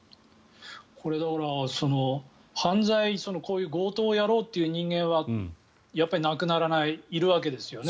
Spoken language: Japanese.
これ、だから犯罪、こういう強盗をやろうという人間はやっぱりなくならないいるわけですよね。